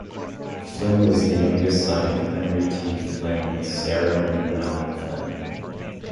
Flynn was the youngest son of Henry T. Flynn and Sarah Mallon Flynn.